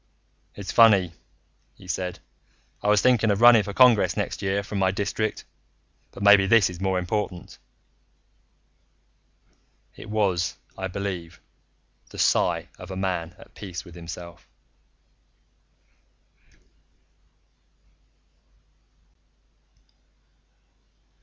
"It's funny," he said, "I was thinking of running for Congress next year from my district. But maybe this is more important." It was, I believe, the sigh of a man at peace with himself.